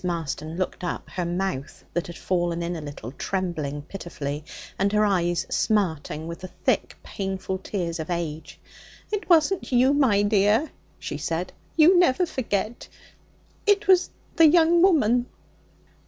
Marston looked up; her mouth, that had fallen in a little, trembling pitifully, and her eyes smarting with the thick, painful tears of age. 'It wasn't you, my dear,' she said; 'you never forget; it was the young woman.'